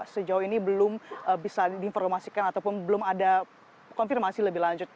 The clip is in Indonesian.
sejauh ini belum bisa diinformasikan ataupun belum ada konfirmasi lebih lanjut